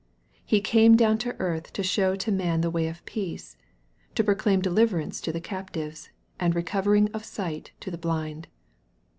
He came down to earth to show to man the way of peace, to proclaim deliverance to the captives, and recovering of sight to the blind.